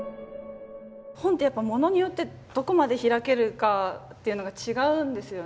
本ってやっぱ物によってどこまで開けるかっていうのが違うんですよね。